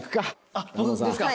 あっ僕ですか？